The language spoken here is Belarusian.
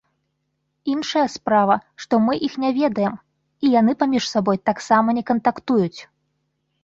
Іншая справа, што мы іх не ведаем, і яны паміж сабой таксама не кантактуюць.